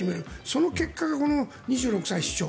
その結果がこの２６歳市長。